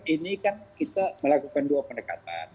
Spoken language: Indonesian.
ini kan kita melakukan dua pendekatan